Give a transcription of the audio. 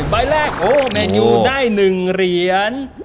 แมนยูได้หนึ่งเหรียญ